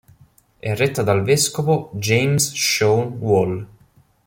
È retta dal vescovo James Sean Wall.